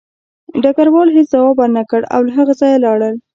ډګروال هېڅ ځواب ورنکړ او له هغه ځایه لاړ